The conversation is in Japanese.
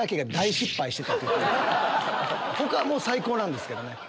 他は最高なんですけどね。